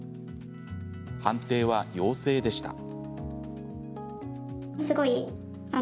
判定は、陽性でした。